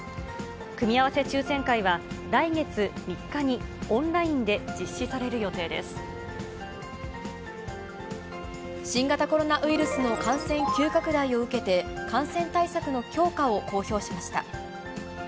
組み合わせ抽せん会は、来月３日に、オンラインで実施される予定新型コロナウイルスの感染急拡大を受けて、感染対策の強化を公表しました。